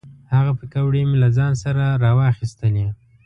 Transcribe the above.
هغه پیکورې مې له ځان سره را واخیستلې.